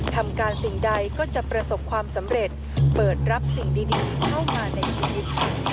ทำการสิ่งใดก็จะประสบความสำเร็จเปิดรับสิ่งดีเข้ามาในชีวิต